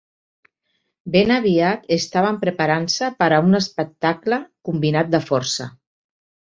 Ben aviat estaven preparant-se per a un espectacle combinat de força.